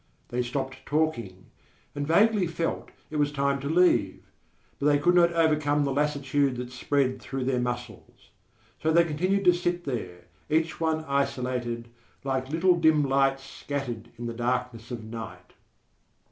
They stopped talking, and vaguely felt it was time to leave; but they could not overcome the lassitude that spread through their muscles. So they continued to sit there, each one isolated, like little dim lights scattered in the darkness of night.